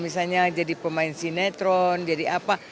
misalnya jadi pemain sinetron jadi apa